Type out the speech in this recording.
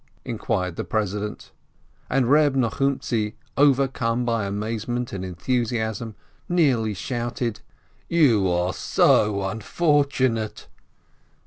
inquired the president. And Reb Nochumtzi, overcome by amazement and enthusiasm, nearly shouted: "You are so unfortunate